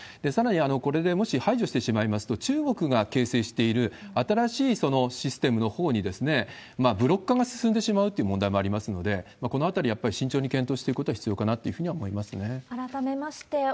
さらにこれでもし排除してしまいますと、中国が形成している新しいシステムのほうにブロック化が進んでしまうという問題もありますので、このあたり、やっぱり慎重に検討していくことは必要かなというふうには思いますね。